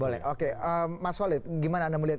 boleh oke mas walid gimana anda melihat